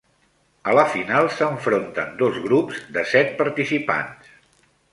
A la final s'enfronten dos grups de set participants.